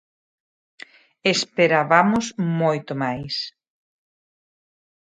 Esperabamos moito máis.